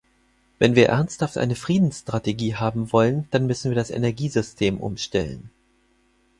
Wenn wir ernsthaft eine Friedensstrategie haben wollen, dann müssen wir das Energiesystem umstellen.